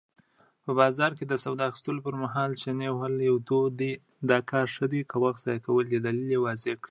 په بازار کې د سودا اخستلو پر مهال چنې وهل يو دود دی، دا کار شه دی ؟ که وخت ضائع کول دی؟ دليل ئې واضح کړئ!